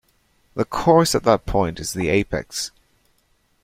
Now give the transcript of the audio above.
The course at that point is the apex.